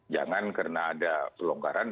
jangan karena ada pelonggaran